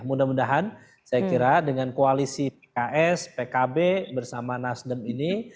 mudah mudahan saya kira dengan koalisi pks pkb bersama nasdem ini